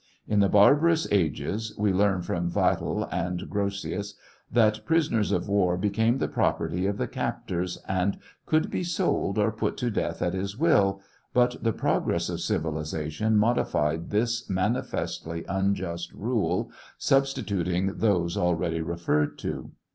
In the barbarous ages, we learn from Vattel and Grrotius that prisoners of war became the property of the captors' and could be sold or put to death at his will, but the progress of civilization modified this manifestly unjust rule, substituting those already referred to.